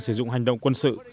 sử dụng hành động quân sự